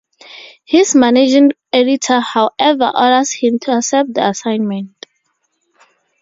His managing editor, however, orders him to accept the assignment.